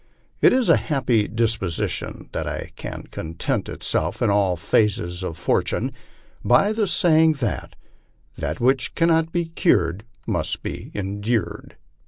It is a happy disposition that can content itself in all phases of fortune by the saying that " that which cannot be cured must be endured."